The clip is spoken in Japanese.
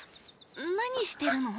何してるの？